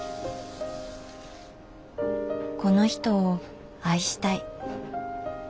「この人を愛したい」。